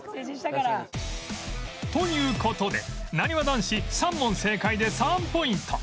という事でなにわ男子３問正解で３ポイント